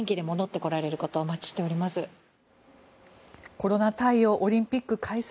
コロナ対応オリンピック開催